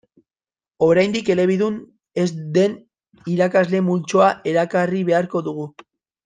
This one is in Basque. Oraindik elebidun ez den irakasle multzoa erakarri beharko dugu.